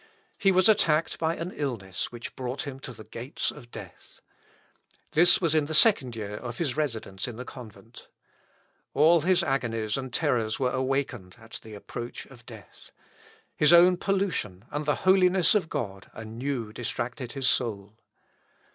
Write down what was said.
He was attacked by an illness which brought him to the gates of death. This was in the second year of his residence in the convent. All his agonies and terrors were awakened at the approach of death. His own pollution and the holiness of God anew distracted his soul.